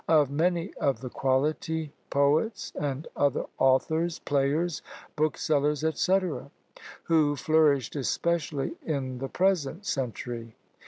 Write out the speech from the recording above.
of many of the quality, poets, and other authors, players, booksellers, &c., who flourished especially in the present century.